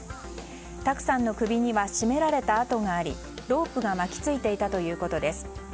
卓さんの首には絞められた痕がありロープが巻き付いていたということです。